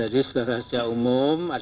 tapi kita harus tarik memori